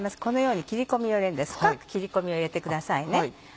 このように切り込みを入れるんです深く切り込みを入れてくださいね。